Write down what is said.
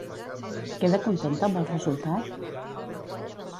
Queda contenta amb el resultat?